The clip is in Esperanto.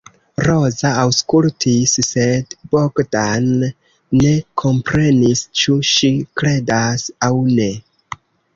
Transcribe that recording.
Roza aŭskultis, sed Bogdan ne komprenis ĉu ŝi kredas aŭ ne.